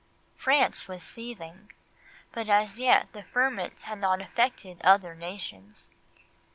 France was seething, but as yet the ferment had not affected other nations.